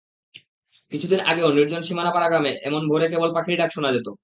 কিছুদিন আগেও নির্জন সীমানাপাড়া গ্রামে এমন ভোরে কেবল পাখির ডাক শোনা যেত।